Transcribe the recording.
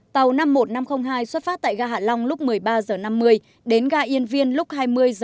tàu năm mươi một nghìn năm trăm linh hai xuất phát tại gà hạ long lúc một mươi ba h năm mươi đến gà yên viên lúc hai mươi h ba mươi một